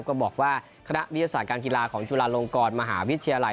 ก็บอกว่าคณะวิทยาศาสตร์การกีฬาของจุฬาลงกรมหาวิทยาลัย